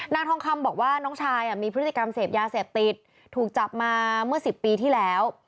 นางทองคำบอกว่าน้องชายมีพฤติกรรมเสพยาเสพติดถูกจับมาเมื่อ๑๐ปีที่แล้ว